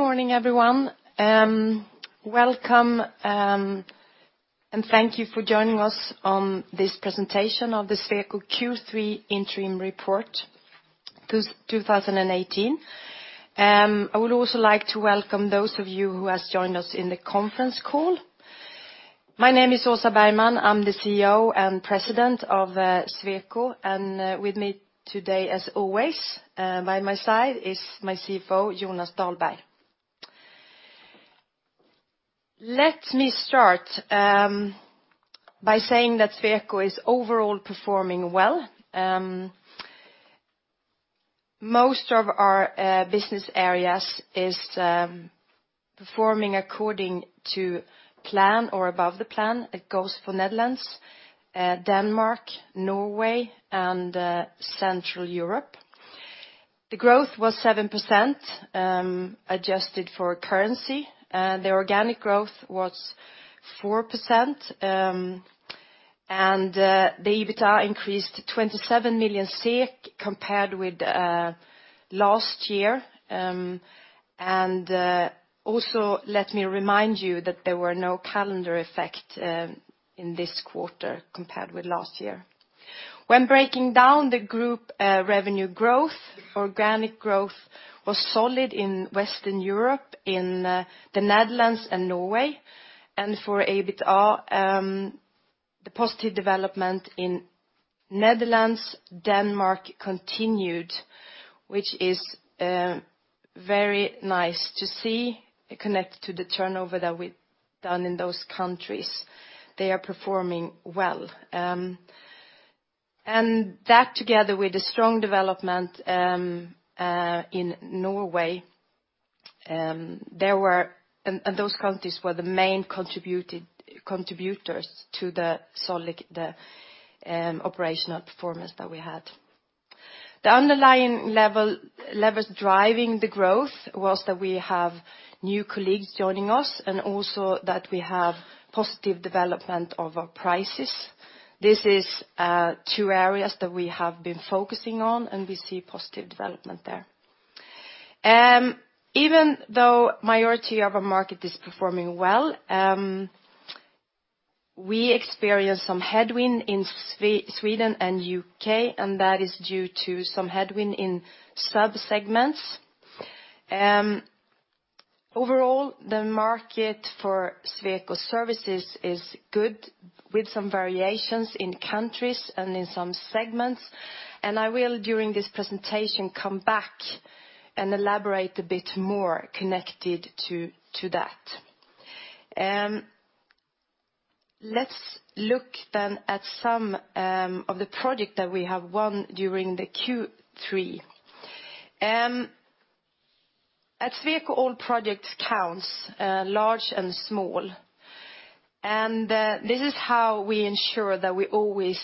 Good morning, everyone. Welcome, and thank you for joining us on this presentation of the Sweco Q3 Interim Report, 2018. I would also like to welcome those of you who has joined us in the conference call. My name is Åsa Bergman, I'm the CEO and President of Sweco, and with me today, as always, by my side, is my CFO, Jonas Dahlberg. Let me start by saying that Sweco is overall performing well. Most of our business areas is performing according to plan or above the plan. It goes for Netherlands, Denmark, Norway, and Central Europe. The growth was 7%, adjusted for currency, the organic growth was 4%, and the EBITDA increased 27 million SEK compared with last year. Also, let me remind you that there were no calendar effect in this quarter compared with last year. When breaking down the group, revenue growth, organic growth was solid in Western Europe, in the Netherlands and Norway. For EBITDA, the positive development in Netherlands, Denmark continued, which is very nice to see, it connect to the turnover that we've done in those countries. They are performing well. That, together with the strong development in Norway, those countries were the main contributors to the solid, the operational performance that we had. The underlying levers driving the growth was that we have new colleagues joining us, and also that we have positive development of our prices. This is two areas that we have been focusing on, and we see positive development there. Even though majority of our market is performing well, we experienced some headwind in Sweden and UK, and that is due to some headwind in sub-segments. Overall, the market for Sweco services is good, with some variations in countries and in some segments, and I will, during this presentation, come back and elaborate a bit more connected to that. Let's look then at some of the project that we have won during the Q3. At Sweco, all projects counts, large and small, and this is how we ensure that we always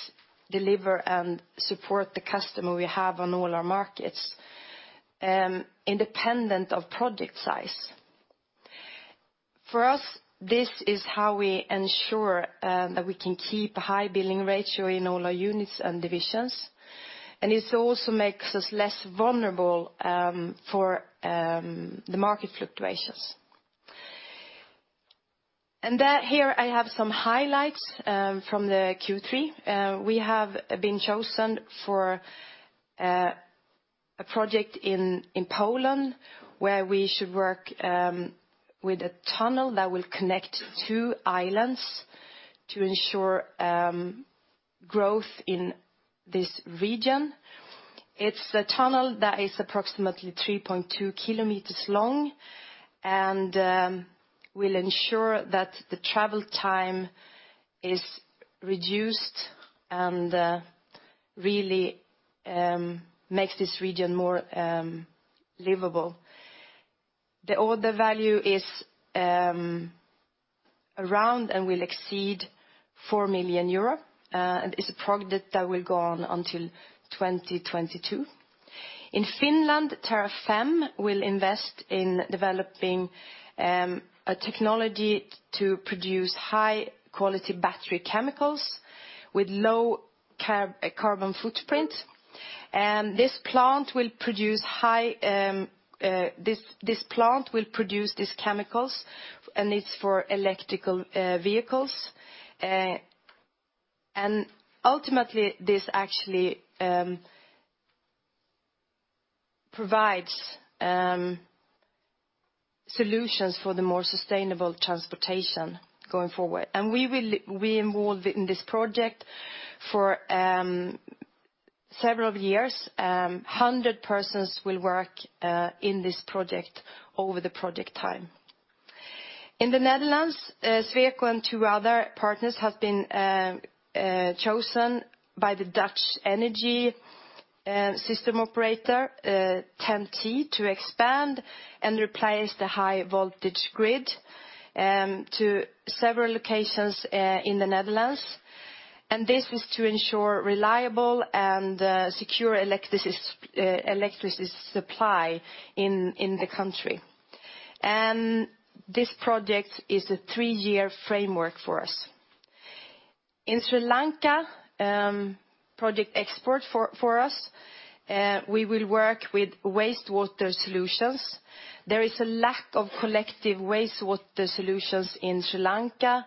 deliver and support the customer we have on all our markets, independent of project size. For us, this is how we ensure that we can keep a high billing ratio in all our units and divisions, and it also makes us less vulnerable for the market fluctuations. Here I have some highlights from the Q3. We have been chosen for a project in Poland, where we should work with a tunnel that will connect two islands to ensure growth in this region. It's a tunnel that is approximately 3.2 kilometers long, and will ensure that the travel time is reduced, and really makes this region more livable. The order value is around and will exceed 4 million euro, and it's a project that will go on until 2022. In Finland, Terrafame will invest in developing a technology to produce high-quality battery chemicals with low carbon footprint. This plant will produce these chemicals, and it's for electric vehicles. And ultimately, this actually provides solutions for the more sustainable transportation going forward. And we will be involved in this project for several years. 100 persons will work in this project over the project time. In the Netherlands, Sweco and 2 other partners have been chosen by the Dutch energy system operator, TenneT, to expand and replace the high-voltage grid to several locations in the Netherlands. And this is to ensure reliable and secure electricity supply in the country. And this project is a 3-year framework for us. In Sri Lanka, project export for us, we will work with wastewater solutions. There is a lack of collective wastewater solutions in Sri Lanka,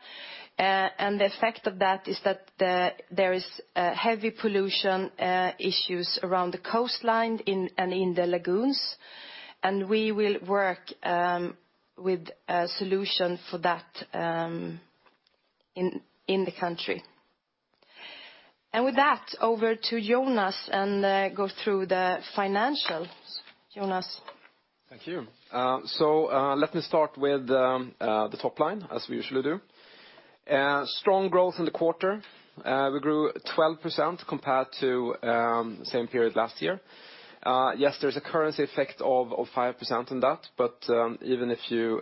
and the effect of that is that there is heavy pollution issues around the coastline and in the lagoons, and we will work with a solution for that in the country. And with that, over to Jonas, go through the financials. Jonas? Thank you. So, let me start with the top line, as we usually do. Strong growth in the quarter. We grew 12% compared to same period last year. Yes, there's a currency effect of 5% in that, but even if you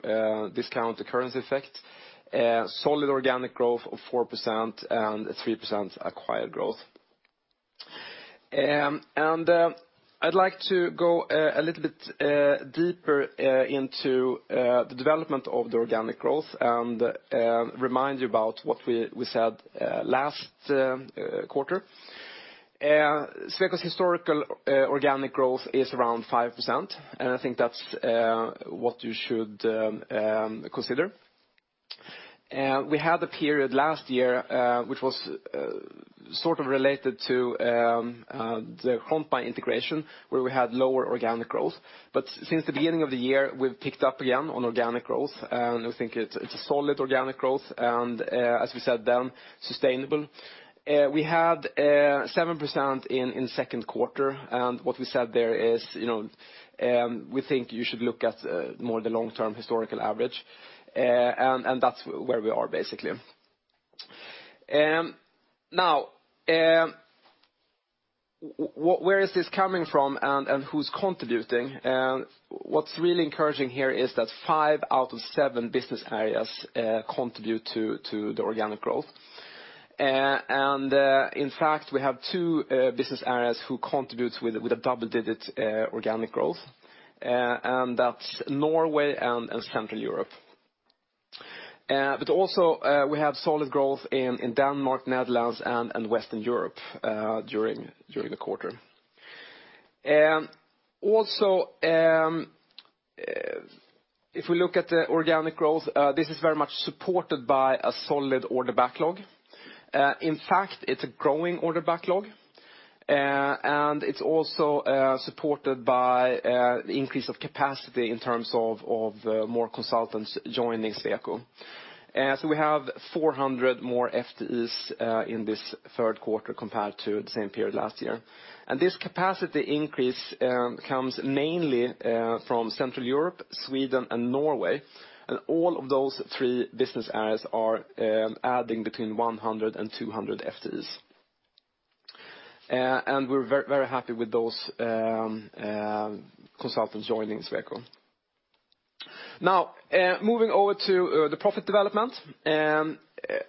discount the currency effect, solid organic growth of 4% and 3% acquired growth. And I'd like to go a little bit deeper into the development of the organic growth, and remind you about what we said last quarter. Sweco's historical organic growth is around 5%, and I think that's what you should consider. We had a period last year, which was sort of related to the Grontmij integration, where we had lower organic growth. But since the beginning of the year, we've picked up again on organic growth, and we think it's a solid organic growth, and as we said then, sustainable. We had 7% in second quarter, and what we said there is, you know, we think you should look at more the long-term historical average. And that's where we are, basically. Now, where is this coming from, and who's contributing? And what's really encouraging here is that five out of seven business areas contribute to the organic growth. And, in fact, we have two business areas who contributes with a double-digit organic growth, and that's Norway and Central Europe. But also, we have solid growth in Denmark, Netherlands, and Western Europe during the quarter. Also, if we look at the organic growth, this is very much supported by a solid order backlog. In fact, it's a growing order backlog. And it's also supported by the increase of capacity in terms of more consultants joining Sweco. So we have 400 more FTEs in this third quarter compared to the same period last year. This capacity increase comes mainly from Central Europe, Sweden, and Norway, and all of those three business areas are adding between 100 and 200 FTEs. And we're very, very happy with those consultants joining Sweco. Now, moving over to the profit development,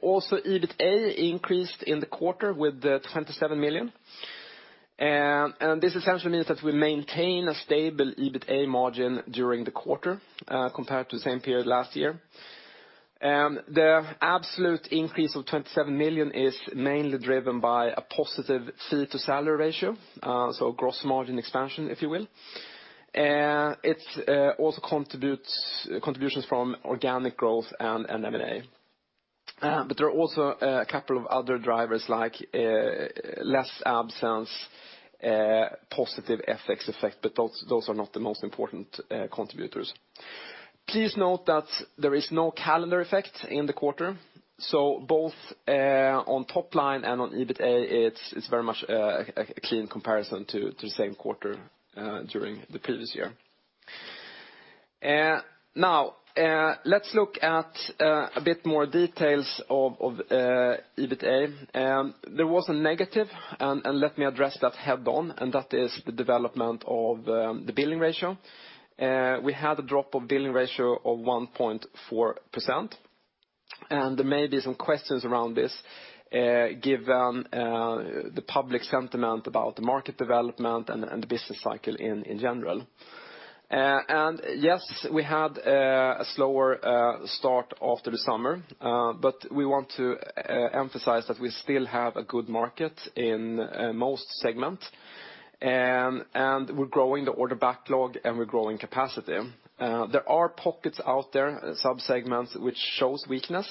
also, EBITA increased in the quarter with 27 million. And this essentially means that we maintain a stable EBITA margin during the quarter, compared to the same period last year. The absolute increase of 27 million is mainly driven by a positive fee-to-salary ratio, so gross margin expansion, if you will. It's also contributions from organic growth and M&A. But there are also a couple of other drivers, like less absence, positive FX effect, but those are not the most important contributors. Please note that there is no calendar effect in the quarter, so both on top line and on EBITA, it's very much a clean comparison to the same quarter during the previous year. Now, let's look at a bit more details of EBITA. There was a negative, and let me address that head-on, and that is the development of the billing ratio. We had a drop of billing ratio of 1.4%, and there may be some questions around this, given the public sentiment about the market development and the business cycle in general. And yes, we had a slower start after the summer, but we want to emphasize that we still have a good market in most segments. And we're growing the order backlog, and we're growing capacity. There are pockets out there, sub-segments, which shows weakness,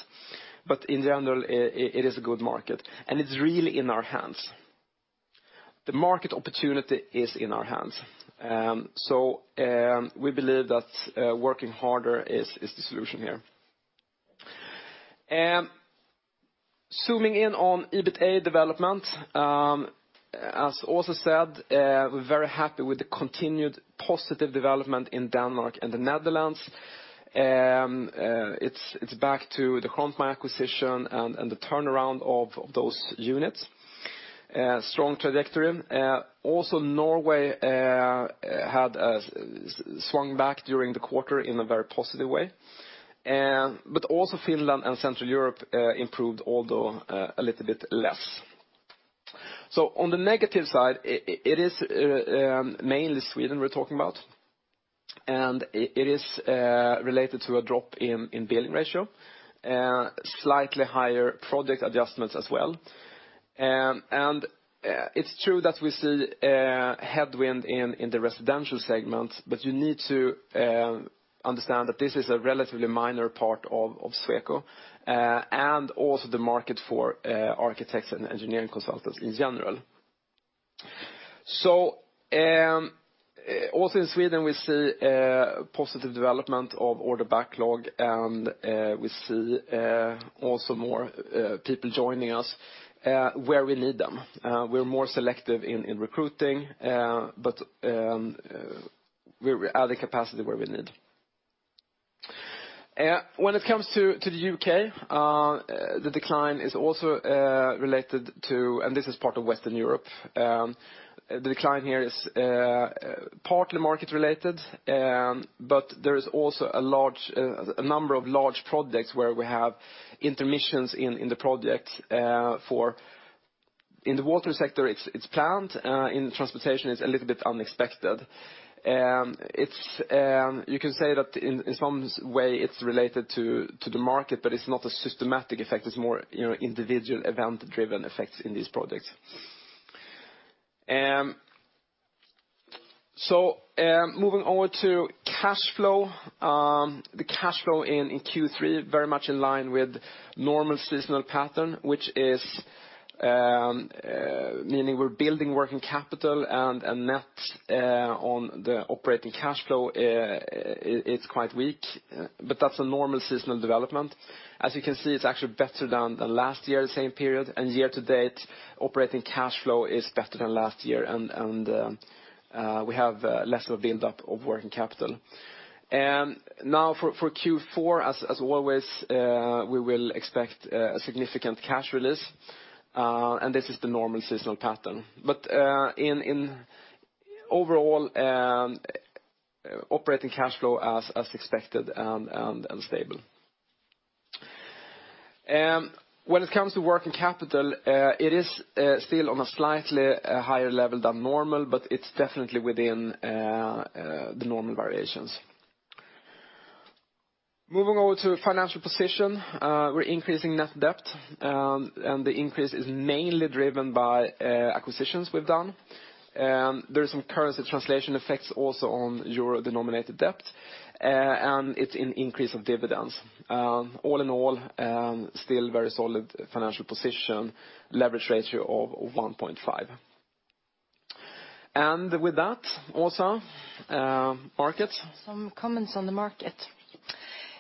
but in general, it is a good market, and it's really in our hands. The market opportunity is in our hands. So, we believe that working harder is the solution here. Zooming in on EBITA development, as also said, we're very happy with the continued positive development in Denmark and the Netherlands. It's back to the Grontmij acquisition and the turnaround of those units. Strong trajectory. Also, Norway swung back during the quarter in a very positive way. But also Finland and Central Europe improved, although a little bit less. On the negative side, it is mainly Sweden we're talking about, and it is related to a drop in billing ratio, slightly higher project adjustments as well. It's true that we see a headwind in the residential segment, but you need to understand that this is a relatively minor part of Sweco, and also the market for architects and engineering consultants in general. Also in Sweden, we see a positive development of order backlog, and we see also more people joining us, where we need them. We're more selective in recruiting, but we're adding capacity where we need. When it comes to the UK, the decline is also related to, and this is part of Western Europe. The decline here is partly market related, but there is also a large number of large projects where we have intermissions in the project for. In the water sector, it's planned, in transportation, it's a little bit unexpected. It's you can say that in some way it's related to the market, but it's not a systematic effect. It's more, you know, individual event-driven effects in these projects. So, moving over to cash flow. The cash flow in Q3 very much in line with normal seasonal pattern, which is meaning we're building working capital and net on the operating cash flow, it's quite weak, but that's a normal seasonal development. As you can see, it's actually better than the last year, the same period, and year to date, operating cash flow is better than last year, and we have less of a build-up of working capital. And now for Q4, as always, we will expect a significant cash release, and this is the normal seasonal pattern. But in overall, operating cash flow as expected and stable. When it comes to working capital, it is still on a slightly higher level than normal, but it's definitely within the normal variations. Moving over to financial position, we're increasing net debt, and the increase is mainly driven by acquisitions we've done. There are some currency translation effects also on euro-denominated debt, and it's an increase of dividends. All in all, still very solid financial position, leverage ratio of 1.5. And with that, Åsa, market? Some comments on the market.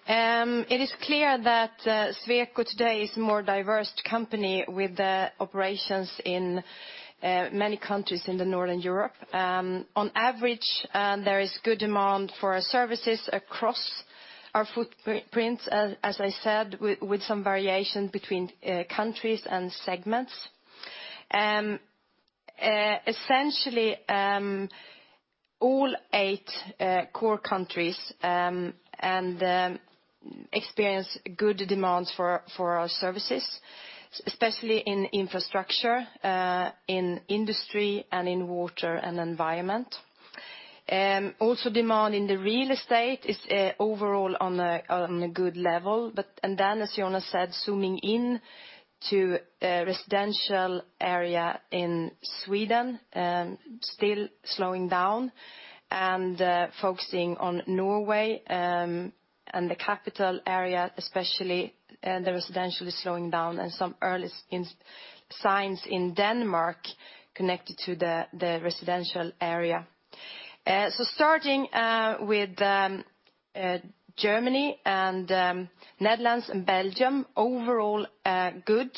It is clear that Sweco today is a more diverse company with operations in many countries in Northern Europe. On average, there is good demand for our services across our footprint, as I said, with some variation between countries and segments. Essentially, all eight core countries experience good demand for our services, especially in infrastructure, in industry, and in water and environment. Also, demand in real estate is overall on a good level, but, as Jonas said, zooming in to a residential area in Sweden, still slowing down, and focusing on Norway, and the capital area especially, the residential is slowing down, and some early signs in Denmark connected to the residential area. So starting with Germany and Netherlands and Belgium, overall good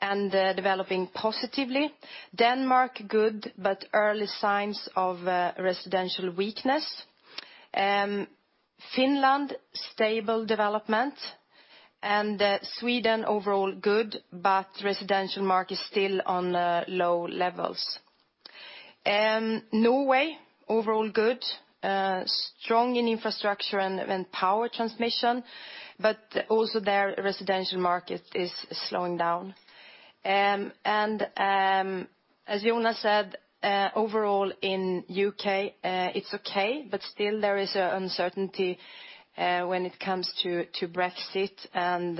and developing positively. Denmark, good, but early signs of a residential weakness. Finland, stable development, and Sweden, overall good, but residential market is still on low levels. Norway, overall good, strong in infrastructure and power transmission, but also their residential market is slowing down. And as Jonas said, overall in UK, it's okay, but still there is an uncertainty when it comes to Brexit and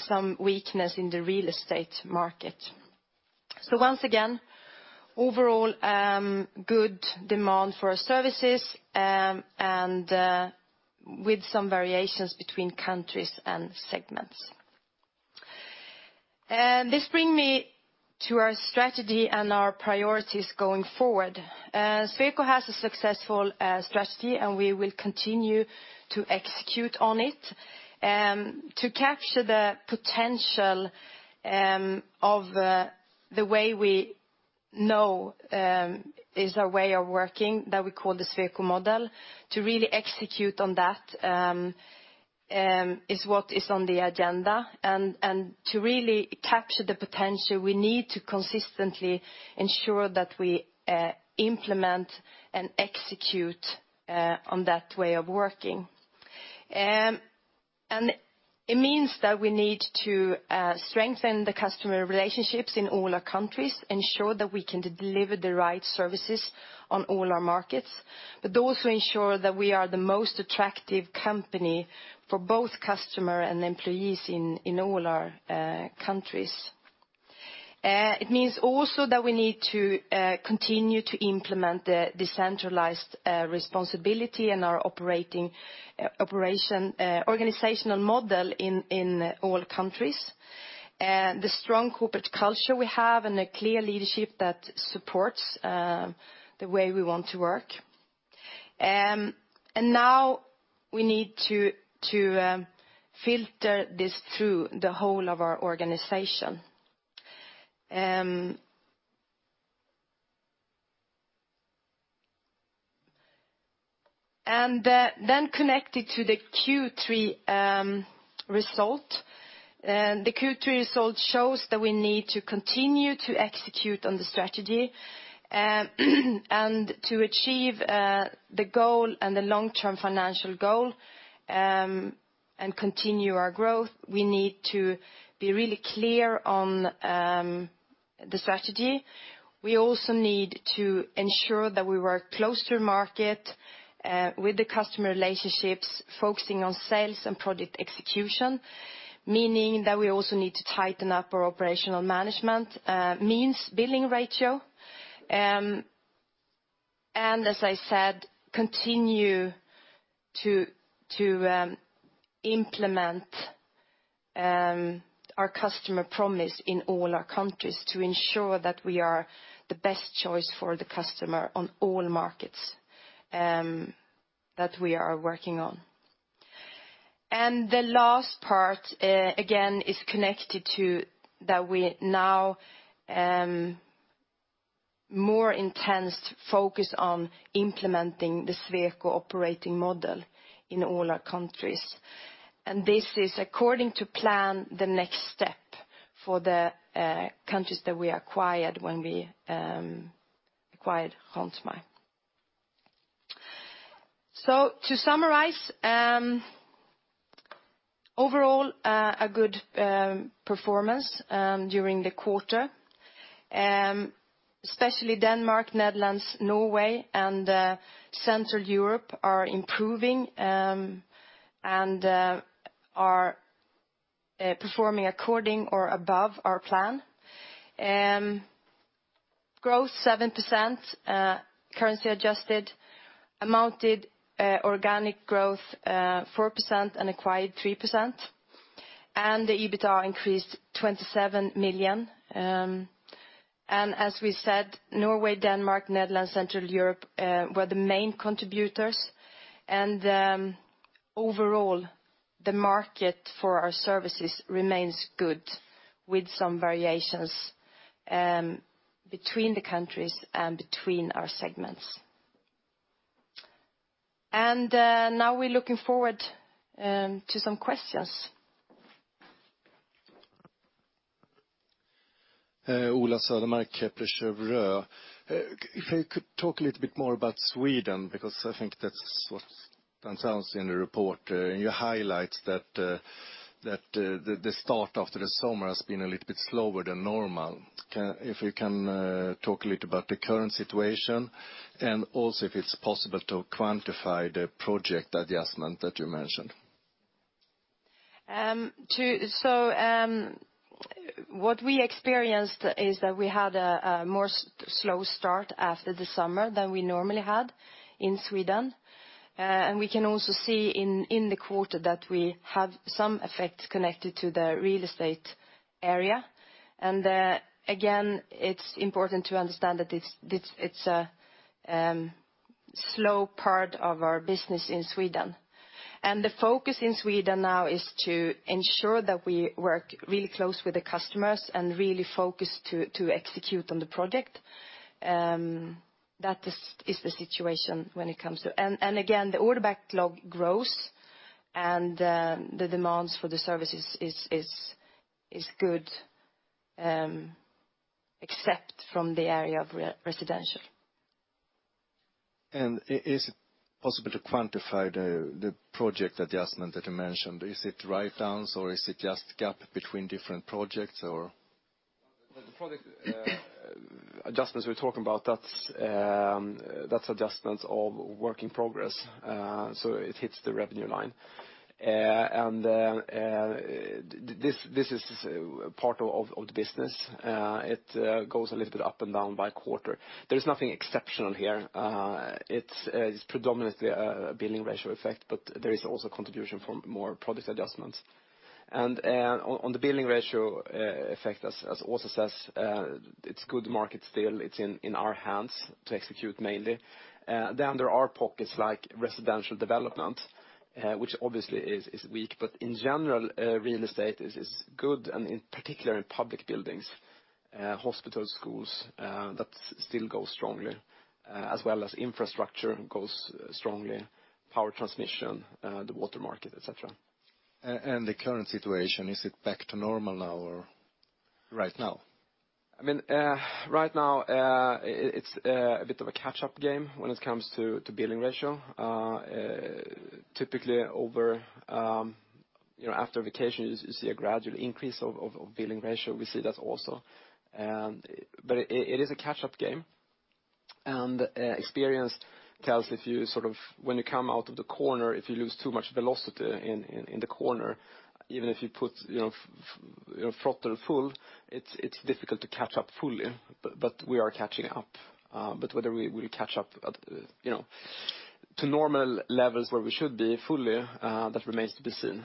some weakness in the real estate market. So once again, overall good demand for our services and with some variations between countries and segments. This bring me to our strategy and our priorities going forward. Sweco has a successful strategy, and we will continue to execute on it. To capture the potential of the way we know is our way of working, that we call the Sweco model, to really execute on that is what is on the agenda. And to really capture the potential, we need to consistently ensure that we implement and execute on that way of working. And it means that we need to strengthen the customer relationships in all our countries, ensure that we can deliver the right services on all our markets, but also ensure that we are the most attractive company for both customer and employees in all our countries. It means also that we need to continue to implement the decentralized responsibility and our operating organizational model in all countries. The strong corporate culture we have and a clear leadership that supports the way we want to work. And now we need to filter this through the whole of our organization. And then connected to the Q3 result, the Q3 result shows that we need to continue to execute on the strategy. And to achieve the goal and the long-term financial goal and continue our growth, we need to be really clear on the strategy. We also need to ensure that we work close to market with the customer relationships, focusing on sales and product execution, meaning that we also need to tighten up our operational management, means billing ratio. And as I said, continue to implement our customer promise in all our countries to ensure that we are the best choice for the customer on all markets that we are working on. And the last part, again, is connected to that we now more intense focus on implementing the Sweco operating model in all our countries. And this is according to plan, the next step for the countries that we acquired when we acquired Grontmij. So to summarize, overall, a good performance during the quarter. Especially Denmark, Netherlands, Norway, and Central Europe are improving, and are performing according or above our plan. Growth 7%, currency adjusted, amounted, organic growth 4% and acquired 3%, and the EBITA increased 27 million. And as we said, Norway, Denmark, Netherlands, Central Europe were the main contributors. And overall, the market for our services remains good, with some variations between the countries and between our segments. And now we're looking forward to some questions. Ola Södermark, Kepler Cheuvreux. If you could talk a little bit more about Sweden, because I think that's what it sounds like in the report, and you highlight that the start after the summer has been a little bit slower than normal. If you can talk a little about the current situation, and also if it's possible to quantify the project adjustment that you mentioned. So, what we experienced is that we had a more slow start after the summer than we normally had in Sweden. And we can also see in the quarter that we have some effect connected to the real estate area. And again, it's important to understand that it's a slow part of our business in Sweden. And the focus in Sweden now is to ensure that we work really close with the customers and really focus to execute on the project. That is the situation when it comes to... And again, the order backlog grows, and the demands for the services is good, except from the area of residential. Is it possible to quantify the project adjustment that you mentioned? Is it write-downs, or is it just gap between different projects, or? The project adjustments we're talking about, that's adjustments of work in progress, so it hits the revenue line. And this is part of the business. It goes a little bit up and down by quarter. There is nothing exceptional here. It's predominantly a billing ratio effect, but there is also contribution from more product adjustments. And on the billing ratio effect, as Åsa says, it's good market still. It's in our hands to execute mainly. Then there are pockets like residential development, which obviously is weak, but in general real estate is good, and in particular in public buildings, hospitals, schools, that still goes strongly, as well as infrastructure goes strongly, power transmission, the water market, et cetera. The current situation, is it back to normal now, or... right now? I mean, right now, it's a bit of a catch-up game when it comes to billing ratio. Typically over, you know, after vacation, you see a gradual increase of billing ratio. We see that also. But it is a catch-up game, and experience tells if you sort of when you come out of the corner, if you lose too much velocity in the corner, even if you put, you know, your throttle full, it's difficult to catch up fully. But we are catching up. But whether we will catch up, you know, to normal levels where we should be fully, that remains to be seen.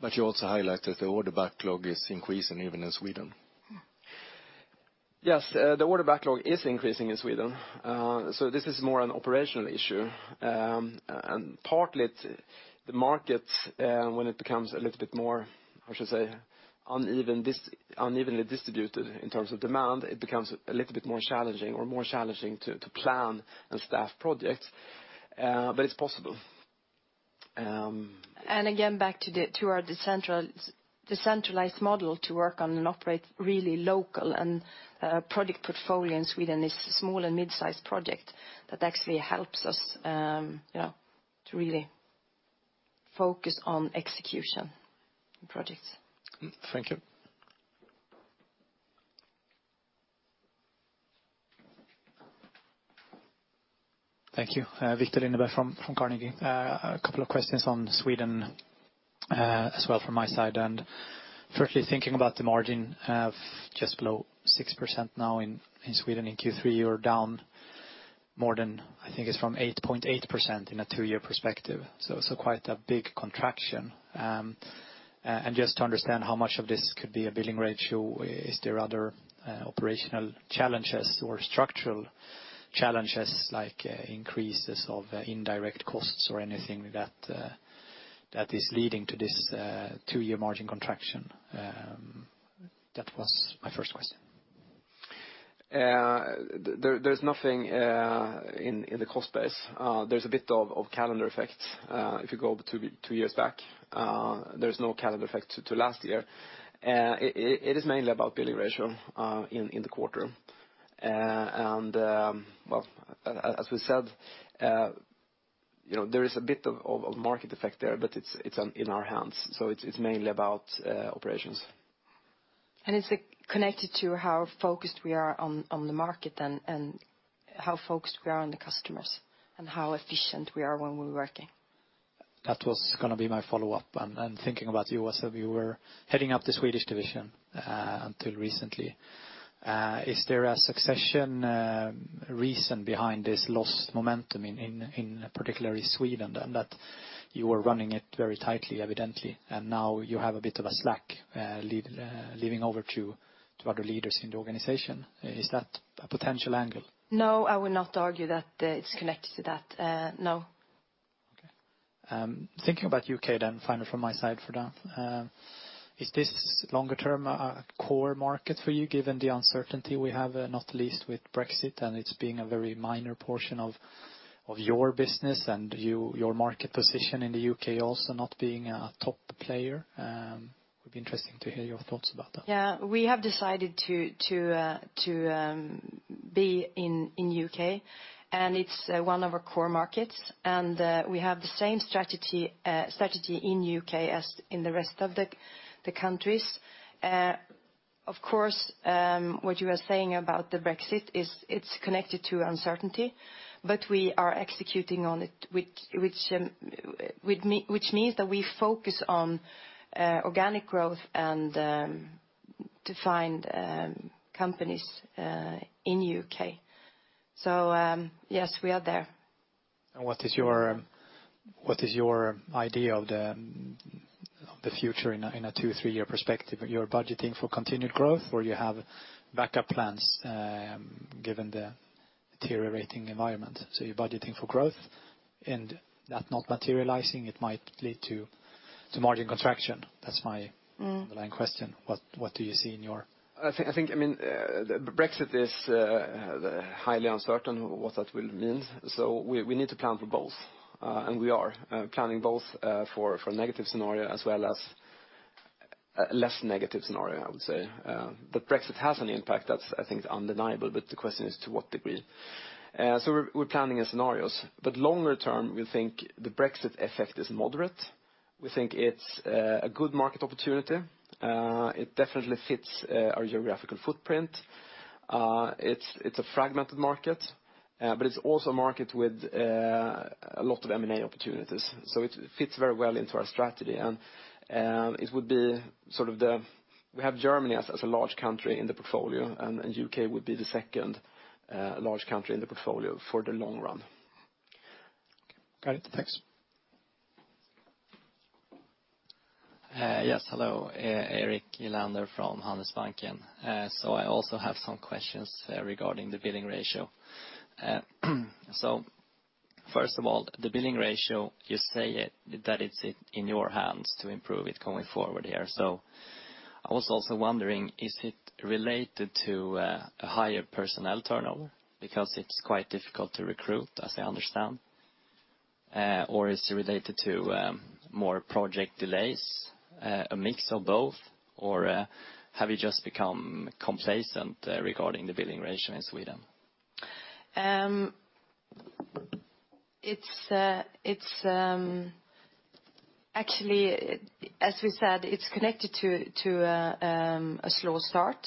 But you also highlighted the order backlog is increasing even in Sweden. Yes, the order backlog is increasing in Sweden. So this is more an operational issue. And partly it's the market, when it becomes a little bit more, I should say, unevenly distributed in terms of demand, it becomes a little bit more challenging or more challenging to plan and staff projects, but it's possible. And again, back to our decentralized model to work on and operate really local and project portfolio in Sweden is small and mid-sized project. That actually helps us, you know, to really focus on execution in projects. Thank you. Thank you. Viktor Lindeberg, from Carnegie. A couple of questions on Sweden, as well from my side. Firstly, thinking about the margin of just below 6% now in, in Sweden, in Q3, you're down more than I think it's from 8.8% in a two-year perspective, so, so quite a big contraction. Just to understand how much of this could be a billing ratio, is there other, operational challenges or structural challenges, like, increases of indirect costs or anything that, that is leading to this, two-year margin contraction? That was my first question. There's nothing in the cost base. There's a bit of calendar effect. If you go two years back, there's no calendar effect to last year. It is mainly about billing ratio in the quarter. And well, as we said, you know, there is a bit of market effect there, but it's in our hands. So it's mainly about operations. It's connected to how focused we are on the market and how focused we are on the customers and how efficient we are when we're working. That was gonna be my follow-up. And thinking about you, Åsa, you were heading up the Swedish division until recently. Is there a succession reason behind this lost momentum in particularly Sweden, and that you were running it very tightly, evidently, and now you have a bit of a slack leaving over to other leaders in the organization? Is that a potential angle? No, I would not argue that, it's connected to that. No. Okay. Thinking about U.K. then, finally from my side for now. Is this longer term a core market for you, given the uncertainty we have, not least with Brexit, and it's being a very minor portion of your business and your market position in the U.K. also not being a top player? It'd be interesting to hear your thoughts about that. Yeah. We have decided to be in U.K., and it's one of our core markets, and we have the same strategy in U.K. as in the rest of the countries. Of course, what you are saying about the Brexit is, it's connected to uncertainty, but we are executing on it, which means that we focus on organic growth and to find companies in U.K. So, yes, we are there. What is your idea of the future in a 2-3-year perspective? You're budgeting for continued growth, or you have backup plans, given the deteriorating environment. You're budgeting for growth, and that not materializing, it might lead to margin contraction. That's my- Mm. underlying question. What, what do you see in your- I think, I mean, Brexit is highly uncertain what that will mean, so we need to plan for both, and we are planning both for a negative scenario as well as a less negative scenario, I would say. But Brexit has an impact. That's, I think, undeniable, but the question is to what degree? So we're planning in scenarios. But longer term, we think the Brexit effect is moderate. We think it's a good market opportunity. It definitely fits our geographical footprint. It's a fragmented market, but it's also a market with a lot of M&A opportunities. So it fits very well into our strategy, and it would be sort of the... We have Germany as a large country in the portfolio, and UK would be the second large country in the portfolio for the long run. Got it. Thanks. Yes, hello, Erik Elander from Handelsbanken, and so I also have some questions regarding the billing ratio. So first of all, the billing ratio, you say it that it's in your hands to improve it going forward here. So I was also wondering, is it related to a higher personnel turnover? Because it's quite difficult to recruit, as I understand, or is it related to more project delays, a mix of both? Or have you just become complacent regarding the billing ratio in Sweden? It's actually, as we said, it's connected to a slow start,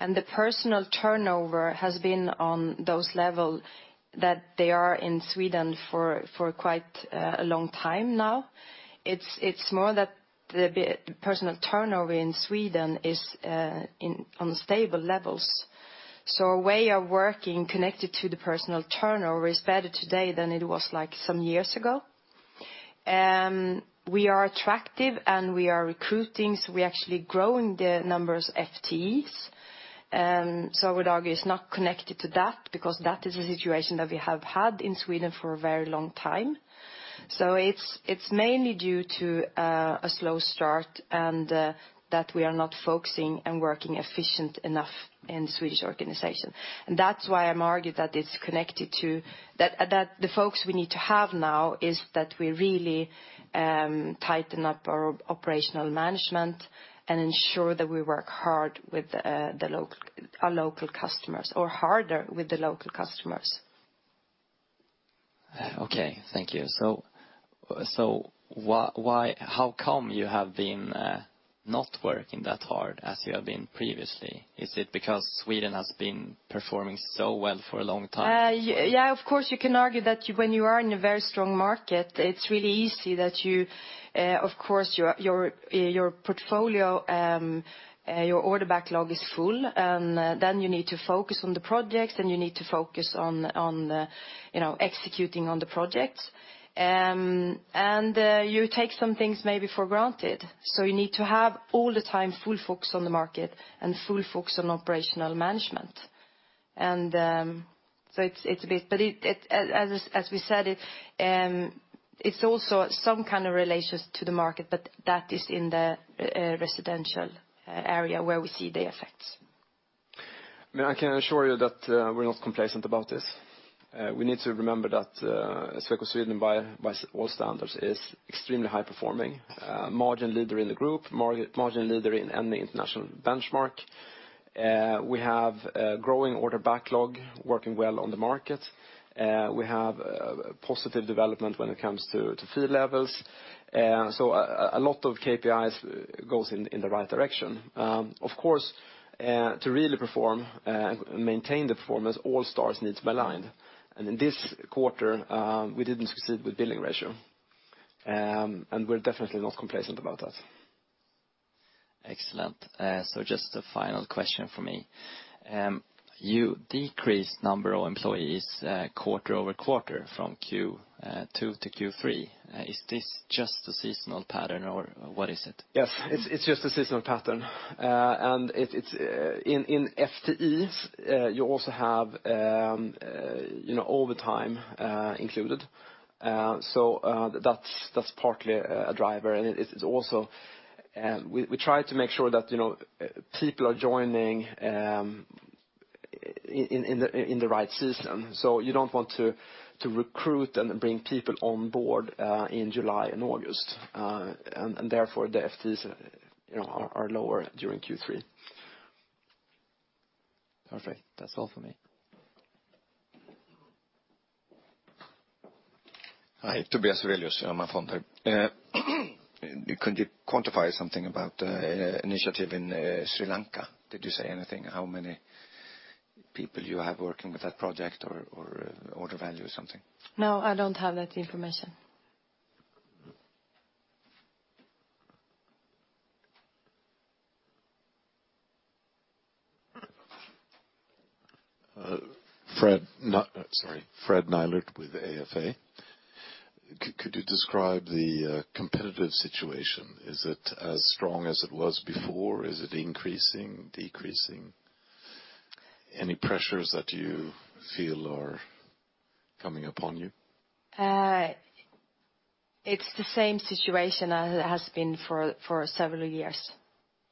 and the personnel turnover has been on those levels that they are in Sweden for quite a long time now. It's more that the personnel turnover in Sweden is on stable levels. So our way of working connected to the personnel turnover is better today than it was, like, some years ago. We are attractive, and we are recruiting, so we're actually growing the numbers FTEs. So I would argue it's not connected to that because that is a situation that we have had in Sweden for a very long time. So it's mainly due to a slow start, and that we are not focusing and working efficient enough in Swedish organization. And that's why I argue that it's connected to... That the focus we need to have now is that we really tighten up our operational management and ensure that we work hard with our local customers, or harder with the local customers. Okay, thank you. So, so why, why, how come you have been not working that hard as you have been previously? Is it because Sweden has been performing so well for a long time? Yeah, of course you can argue that when you are in a very strong market, it's really easy that you... Of course, your portfolio, your order backlog is full. And then you need to focus on the projects, and you need to focus on, you know, executing on the projects. And you take some things maybe for granted, so you need to have all the time full focus on the market and full focus on operational management. And so it's a bit. But it, as we said, it's also some kind of relations to the market, but that is in the residential area where we see the effects. I mean, I can assure you that, we're not complacent about this. We need to remember that, Sweco Sweden, by all standards, is extremely high-performing, margin leader in the group, margin leader in any international benchmark. We have a growing order backlog, working well on the market. We have a positive development when it comes to fee levels. So a lot of KPIs goes in the right direction. Of course, to really perform, maintain the performance, all stars need to be aligned, and in this quarter, we didn't succeed with billing ratio. And we're definitely not complacent about that. Excellent. So just a final question for me. You decreased number of employees, quarter-over-quarter, from Q2 to Q3. Is this just a seasonal pattern, or what is it? Yes, it's just a seasonal pattern. And it's... In FTEs, you also have, you know, all the time included. So, that's partly a driver. And it's also, we try to make sure that, you know, people are joining in the right season. So you don't want to recruit and then bring people on board in July and August. And therefore, the FTEs, you know, are lower during Q3. Perfect. That's all for me. Hi, Tobias Kaj, Öhman Fonder. Could you quantify something about, initiative in, Sri Lanka? Did you say anything, how many people you have working with that project or, or order value or something? No, I don't have that information. Mm. Sorry, Fred Nylund with AFA. Could you describe the competitive situation? Is it as strong as it was before? Is it increasing, decreasing? Any pressures that you feel are coming upon you? It's the same situation as it has been for several years.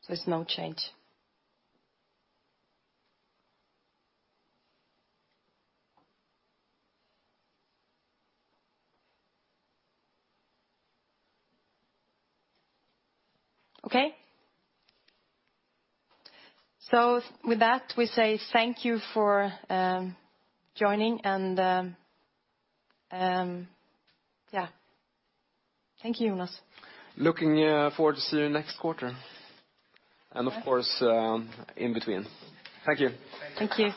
There's no change. Okay? So with that, we say thank you for joining, and... Yeah. Thank you, Jonas. Looking forward to see you next quarter, and of course, in between. Thank you. Thank you.